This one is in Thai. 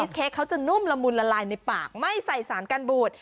เค้กเขาจะนุ่มละมุนละลายในปากไม่ใส่สารกันบูด